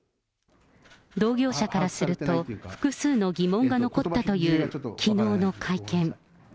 同業者からすると、複数の疑問が残ったというきのうの会見。